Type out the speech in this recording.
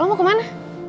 lo mau kemana